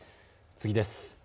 次です。